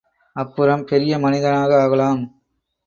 அப்புறம் பெரிய மனிதனாக ஆகலாம்.